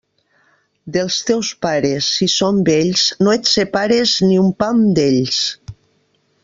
Dels teus pares, si són vells, no et separes ni un pam d'ells.